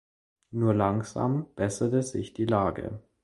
Nur langsam besserte sich die Lage.